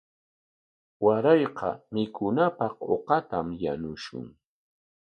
Warayqa mikunapaq uqatam yanushun.